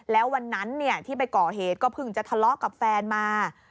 แล้ววันนั้นที่ไปก่อเหตุก็เพิ่งจะทะเลาะกับแฟนมา